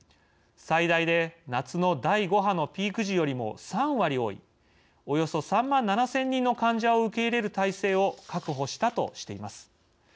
最大で夏の第５波のピーク時よりも３割多いおよそ３万７，０００人の患者を受け入れる体制を確保したとしています。